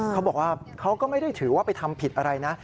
เขาก็ไม่ได้ถือว่าไปทำผิดอะไรนะ